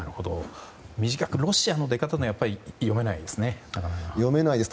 短くロシアの出方もやはり読めないですね。